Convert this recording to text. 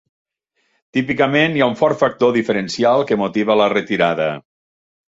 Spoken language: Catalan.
Típicament, hi ha un fort factor diferencial que motiva la retirada.